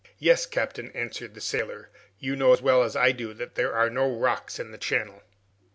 "Yes, captain," answered the sailor. "You know as well as I do that there are no rocks in the channel."